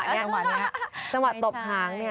จังหวะปลบหาง